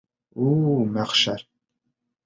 У-у, мәхшәр!